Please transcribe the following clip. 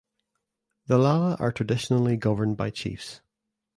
The Lala are traditionally governed by chiefs.